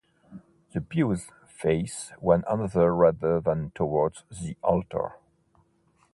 The pews face one another rather than towards the altar.